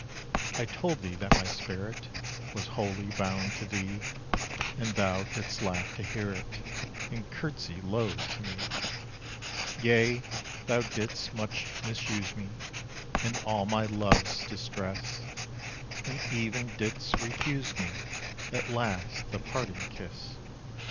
I told thee that my spirit Was wholly bound to thee, And thou didst laugh to hear it, And curtsy low to me. Yea, thou did'st much misuse me, In all my love's distress, And even didst refuse me At last the parting kiss.